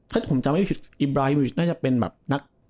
คือผมจำไม่คิดน่าจะเป็นนัก